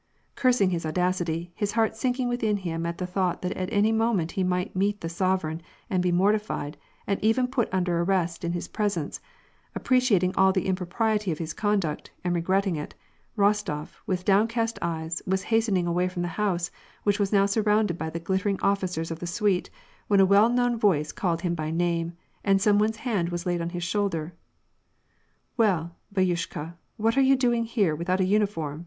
Cursing his audacity, his heart sinking within him at the thought that at any moment he might meet the sovereign, and be mortified, and even put under arrest in his presence, appreciat ing all the impropriety of his conduct, and regretting it, Rostof, with downcast eyes, was hastening away from the house, which was now surrounded by the glittering officers of the suite, when a well known voice called him by name, and some one's hand was laid on his shoulder. " Well, bdtyushka, what are you doing here without a uni form